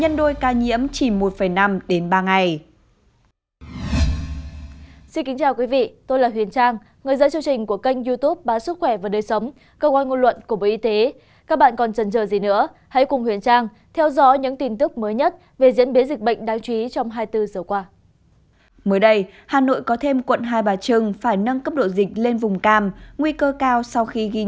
hãy đăng kí cho kênh lalaschool để không bỏ lỡ những video hấp dẫn